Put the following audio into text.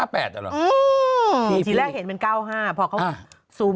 ไปอยากยุ่ง